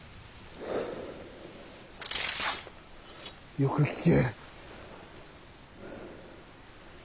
よく聞け。